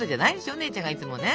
お姉ちゃんがいつもね。